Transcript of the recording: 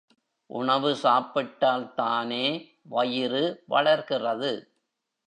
உணவு சாப்பிட்டால் தானே வயிறு வளர்கிறது.